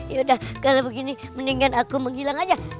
yaudah kalau begini mendingan aku menghilang aja